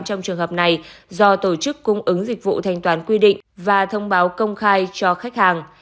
trong trường hợp này do tổ chức cung ứng dịch vụ thanh toán quy định và thông báo công khai cho khách hàng